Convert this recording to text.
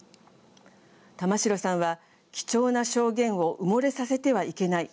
玉城さんは「貴重な証言を埋もれさせてはいけない。